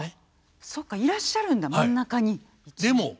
そっかいらっしゃるんだ真ん中に。